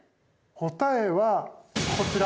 答えはこちら。